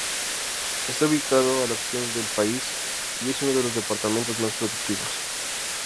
Está ubicado al occidente del país, y es uno de los departamentos más productivos.